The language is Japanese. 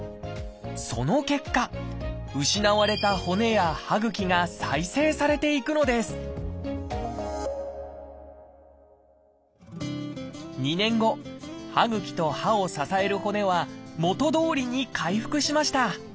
その結果失われた骨や歯ぐきが再生されていくのです２年後歯ぐきと歯を支える骨は元どおりに回復しました。